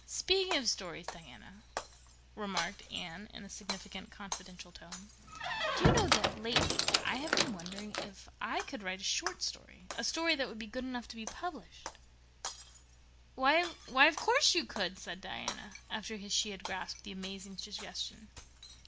"Speaking of stories, Diana," remarked Anne, in a significant, confidential tone, "do you know that lately I have been wondering if I could write a short story—a story that would be good enough to be published?" "Why, of course you could," said Diana, after she had grasped the amazing suggestion.